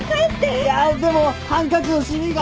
いやでもハンカチの染みが！